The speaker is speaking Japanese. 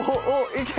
いけ。